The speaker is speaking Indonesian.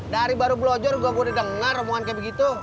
dari baru belojor gue udah dengar omongan kayak begitu